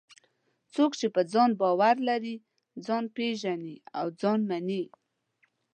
څوک چې په ځان باور لري، ځان پېژني او ځان مني.